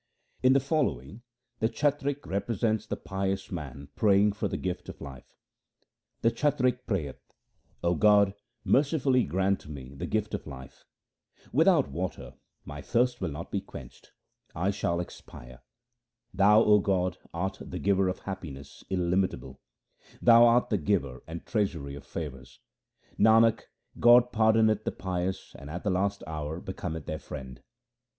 In the following the chatrik represents the pious man praying for the gift of life :— The chatrik prayeth, ' O God, mercifully grant me the gift of life !' Without water my thirst will not be quenched ; I shall expire. ' Thou 0 God, art the Giver of happiness, illimitable ; Thou art the Giver and treasury of favours.' Nanak, God pardoneth the pious and at the last hour becometh their Friend.